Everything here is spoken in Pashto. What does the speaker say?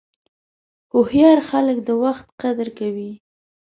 هوښیار خلک د وخت قدر کوي.